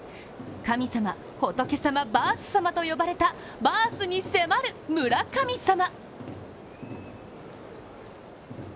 神様・仏様・バース様と呼ばれたバースに迫る村神様。